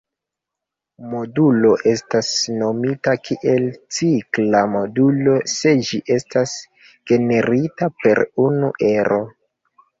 Modulo estas nomita kiel cikla modulo se ĝi estas generita per unu ero.